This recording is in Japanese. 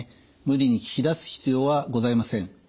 無理に聞き出す必要はございません。